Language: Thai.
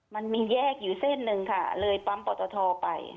มันมีแยกอยู่เส้นหนึ่งค่ะเลยปั๊มปอตทไป